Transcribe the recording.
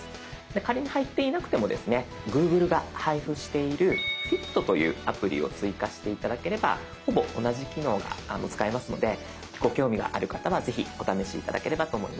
で仮に入っていなくてもですねＧｏｏｇｌｅが配布している「Ｆｉｔ」というアプリを追加して頂ければほぼ同じ機能が使えますのでご興味がある方はぜひお試し頂ければと思います。